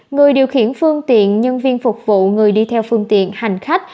người điều khiển phương tiện nhân viên phục vụ người đi theo phương tiện hành khách